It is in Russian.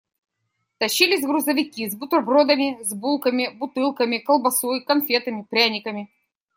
Тащились грузовики с бутербродами, с булками, бутылками, колбасой, конфетами, пряниками.